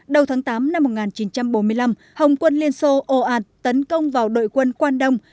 đầu tháng tám năm một nghìn chín trăm bốn mươi năm hồng quân liên xô ồ ạt tấn công vào đội quân quan đông